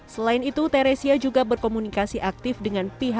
selain itu teresia juga berkomunikasi aktif dengan pihak